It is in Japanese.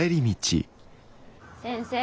先生